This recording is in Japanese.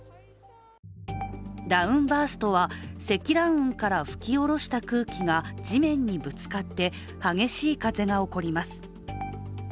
ダウンバーストは、積乱雲から吹き降ろした空気が地面にぶつかって激しい風が起こります。